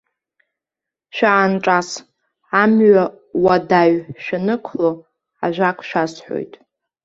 Шәаанҿас, амҩа уадаҩ шәанықәло, ажәак шәасҳәоит.